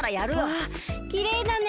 わあきれいだね。